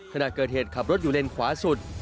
ขณะเกิดเหตุขับรถอยู่เลนขวาสุด